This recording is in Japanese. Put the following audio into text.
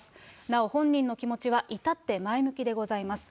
なお、本人の気持ちは至って前向きでございます。